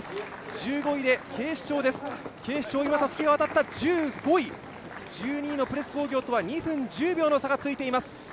１５位で警視庁、今たすきが渡った１２位のプレス工業とは２分１０秒の差がついています。